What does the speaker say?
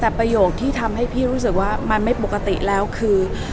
แต่ประโยคที่ทำให้พี่รู้สึกว่ามันไม่ปกติแล้วคือ